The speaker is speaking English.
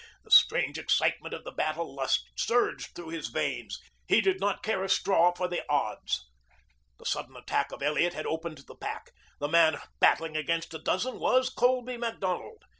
The strange excitement of the battle lust surged through his veins. He did not care a straw for the odds. The sudden attack of Elliot had opened the pack. The man battling against a dozen was Colby Macdonald.